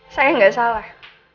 saya gak salah